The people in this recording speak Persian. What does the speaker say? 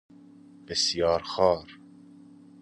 بسیار خوار